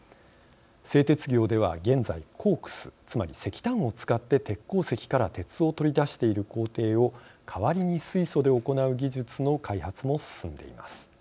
製鉄業では、現在コークス、つまり石炭を使って鉄鉱石から鉄を取り出している工程を代わりに水素で行う技術の開発も進んでいます。